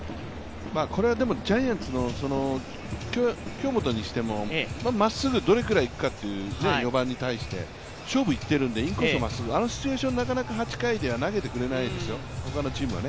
これはジャイアンツの京本にしても、まっすぐどれぐらいいくかっていう、４番に対して、勝負にいってるので、インコースでまっすぐあのシチュエーション、なかなか７回、８回では投げてくれないですよ、ほかのチームでは。